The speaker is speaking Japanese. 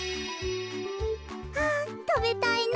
あたべたいな。